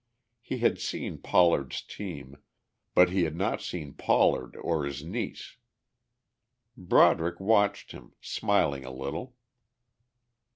He had seen Pollard's team, but he had not seen Pollard or his niece. Broderick watched him, smiling a little.